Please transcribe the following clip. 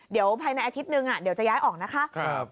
เดี๋ยวภายในอาทิตย์หนึ่งเดี๋ยวจะย้ายออกนะคะ